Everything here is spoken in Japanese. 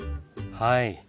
はい。